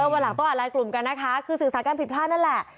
วันหลังต้องอ่านไลน์กลุ่มกันนะคะคือสื่อสารการผิดพลาดนั่นแหละ